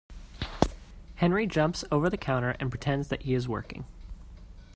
Henry jumps over the counter and pretends that he is working.